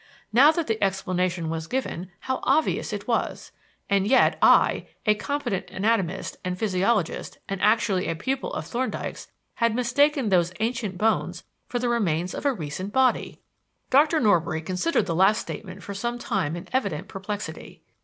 Now that the explanation was given, how obvious it was! And yet I, a competent anatomist and physiologist and actually a pupil of Thorndyke's, had mistaken those ancient bones for the remains of a recent body! Dr. Norbury considered the last statement for some time in evident perplexity.